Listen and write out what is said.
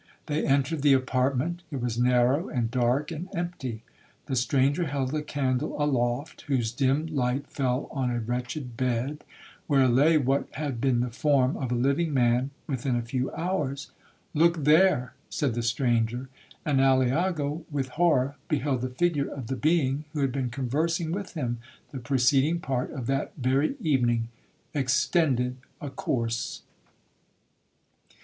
They entered the apartment; it was narrow, and dark, and empty. The stranger held a candle aloft, whose dim light fell on a wretched bed, where lay what had been the form of a living man within a few hours. 'Look there!' said the stranger; and Aliaga with horror beheld the figure of the being who had been conversing with him the preceding part of that very evening,—extended a corse!